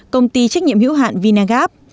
công ty trách nhiệm hữu hạn vinagap